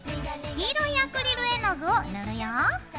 黄色いアクリル絵の具を塗るよ。